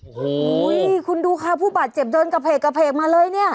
โอ้โหคุณดูค่ะผู้บาดเจ็บเดินกระเพกกระเพกมาเลยเนี่ย